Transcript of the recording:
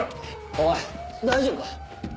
おい大丈夫か？